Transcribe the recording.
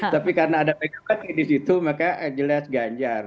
tapi karena ada pkb di situ maka jelas ganjar